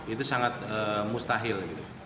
itu sangat mustahil